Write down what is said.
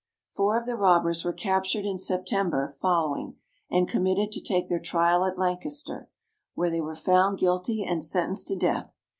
Four of the robbers were captured in September following, and committed to take their trial at Lancaster, where they were found guilty and sentenced to death.